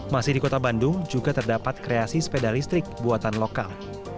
masih di kota bandung juga terdapat kreasi sepeda listrik buatan lokal